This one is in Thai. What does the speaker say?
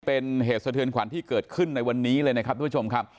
เป็นเหตุสะเทือนขวัญที่เกิดขึ้นในวันนี้เลยนะครับทุกผู้ชมครับ